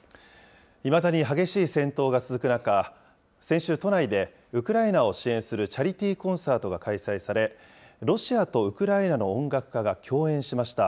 いまだに激しい戦闘が続く中、先週、都内でウクライナを支援するチャリティーコンサートが開催され、ロシアとウクライナの音楽家が共演しました。